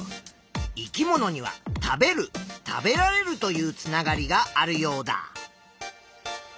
生き物には「食べる食べられる」というつながりがあるヨウダ。